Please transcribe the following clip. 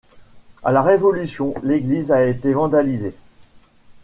À la Révolution, l'église a été vandalisée.